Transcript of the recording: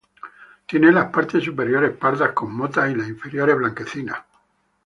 Tienen las partes superiores pardas con motas y las inferiores blanquecinas.